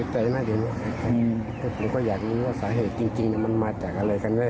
แต่ผมก็อยากรู้ว่าสาเหตุจริงมันมาจากกับอะไรกันนี่